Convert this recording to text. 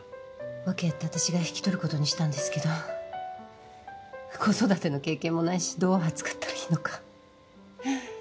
訳あって私が引き取ることにしたんですけど子育ての経験もないしどう扱ったらいいのか。